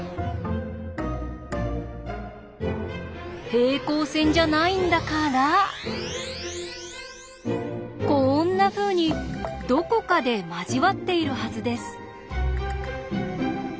平行線じゃないんだからこんなふうにどこかで交わっているはずです。